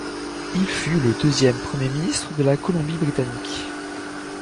Il fut le deuxième premier ministre de la Colombie-Britannique.